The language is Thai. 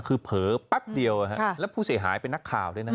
คือเผลอแป๊บเดียวแล้วผู้เสียหายเป็นนักข่าวด้วยนะ